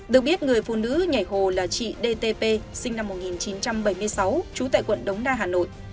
được biết người phụ nữ nhảy hồ là chị dtp sinh năm một nghìn chín trăm bảy mươi sáu trú tại quận đống đa hà nội